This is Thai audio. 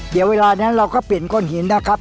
เดี๋ยวเวลานั้นเราก็เปลี่ยนก้อนหินนะครับ